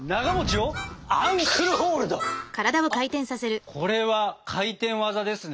あっこれは回転技ですね。